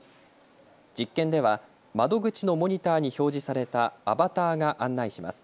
実験では窓口のモニターに表示されたアバターが案内します。